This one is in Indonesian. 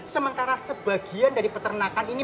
sementara sebagian dari peternakan ini